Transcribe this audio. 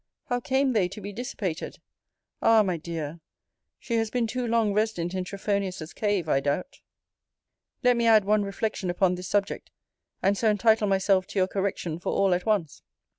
How came they to be dissipated? Ah! my dear! she has been too long resident in Trophonius's cave, I doubt.* * Spectator, Vol. VIII. No. 599. Let me add one reflection upon this subject, and so entitle myself to your correction for all at once.